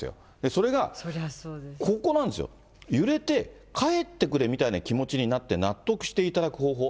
それがここなんですよ、揺れて、帰ってくれみたいな気持ちになって、納得していただく方法。